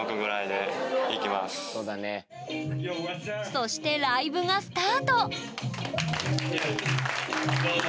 そしてライブがスタート！